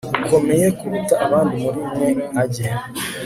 ukomeye kuruta abandi muri mwe ajye